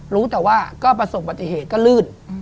รู้แต่ว่าประสงค์ปัจจิเหตุก็ลื่น